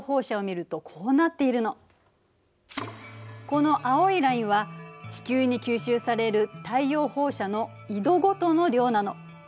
この青いラインは地球に吸収される太陽放射の緯度ごとの量なの。